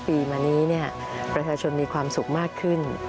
ปีมานี้ประชาชนมีความสุขมากขึ้น